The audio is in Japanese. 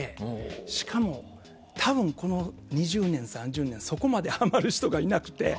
しかも、多分この２０年、３０年はそこまではまる人がいなくて。